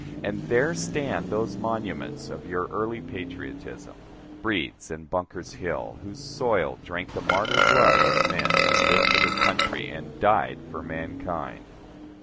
And there stand those monuments of your early patriotism, Breed's and Bunker's Hills, whose soil drank the martyr blood of men who lived for their country and died for mankind!